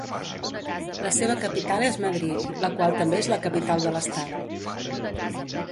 La seva capital és Madrid, la qual també és la capital de l'Estat.